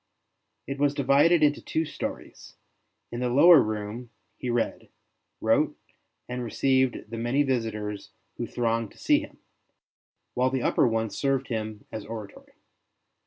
It was divided into two stories : in the lower room he read, wrote, and received the many visitors who thronged to see him ; while the upper one served him as oratory.